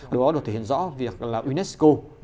đó được thể hiện rõ việc là unesco